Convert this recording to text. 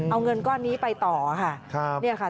เอาเงินก้อนนี้ไปต่อค่ะ